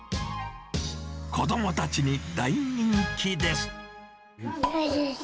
子どもたちに大人気です。